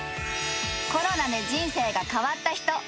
コロナで人生が変わった人。